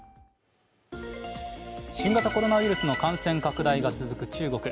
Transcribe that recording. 新型コロナウイルスの感染拡大が続く中国。